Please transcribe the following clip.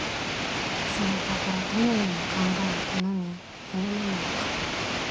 そなたがどのような考えを好み好まぬのか。